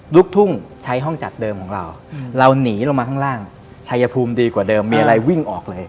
ลูกทุ่งใช้ห้องจัดเดิมของเราเราหนีลงมาข้างล่างชายภูมิดีกว่าเดิมมีอะไรวิ่งออกเลย